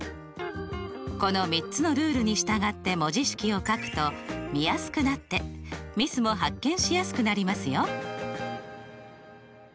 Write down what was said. この３つのルールに従って文字式を書くと見やすくなってミスも発見しやすくなりますよ。